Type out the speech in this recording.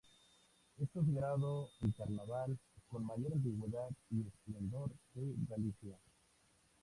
Es considerado el Carnaval con mayor antigüedad y esplendor de Galicia.